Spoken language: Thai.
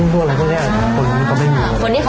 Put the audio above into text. ไปทำที่นั่นเลยพี่